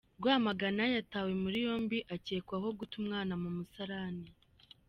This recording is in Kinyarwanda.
Rwamagana: Yatawe muri yombi akekwaho guta umwana mu musarani